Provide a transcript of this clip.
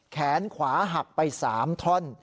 แขนขวาหักไป๓ท่อน